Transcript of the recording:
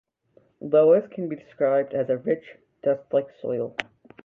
Loess can be described as a rich, dust-like soil.